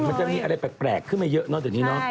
มันจะมีอะไรแปลกขึ้นมาเยอะเนอะเหล่ะ